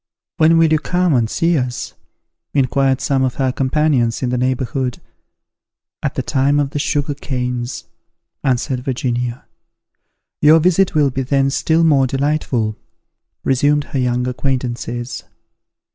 "When will you come and see us?" inquired some of her companions in the neighbourhood. "At the time of the sugar canes," answered Virginia. "Your visit will be then still more delightful," resumed her young acquaintances.